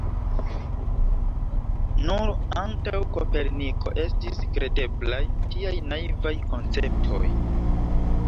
Nur antaŭ Koperniko estis kredeblaj tiaj naivaj konceptoj.